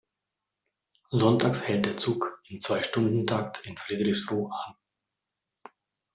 Sonntags hält der Zug, im Zweistundentakt in Friedrichsruh an.